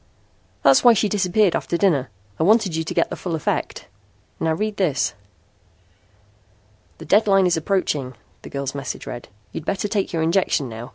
"That's why she disappeared after dinner. I wanted you to get the full effect. Now read this." "The deadline is approaching," the girl's message read. "You'd better take your injection now.